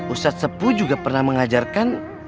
ustadz sepuh juga pernah mengajarkan